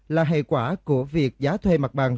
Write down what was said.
là hệ quả của việc giá thuê mặt bằng